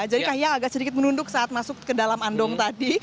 jadi kahyang agak sedikit menunduk saat masuk ke dalam andong tadi